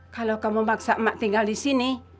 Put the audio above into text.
kalau kamu maksa emak tinggal di sini